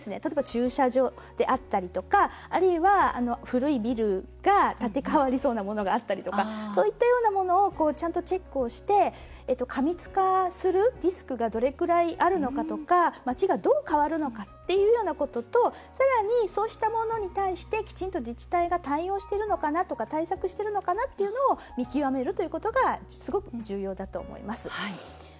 駐車場であったりとかあるいは、古いビルが建て替わりそうなものがあったりとかそういったようなものをちゃんと、チェックをして過密化するリスクがどれくらいあるのかとか街がどう変わるのかということとさらに、そうしたものに対してきちんと自治体が対応しているのかなとか対策してるのかなっていうのを見極めるということがすごく重要だと思います。